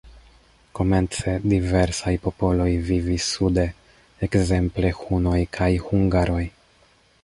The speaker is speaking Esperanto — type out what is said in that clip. Komence diversaj popoloj vivis sude, ekzemple hunoj kaj hungaroj.